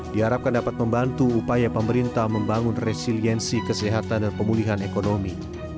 diharapkan dapat membantu upaya pemerintah membangun resiliensi kesehatan dan pemulihan ekonomi